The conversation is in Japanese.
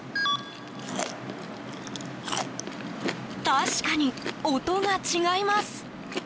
確かに、音が違います。